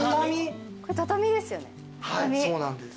はいそうなんです。